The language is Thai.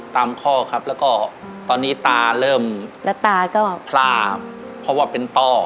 ตามข้อครับแล้วก็ตอนนี้ตาเริ่มพลาบเพราะว่าเป็นต้อ